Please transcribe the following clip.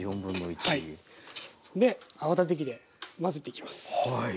泡立て器で混ぜていきます。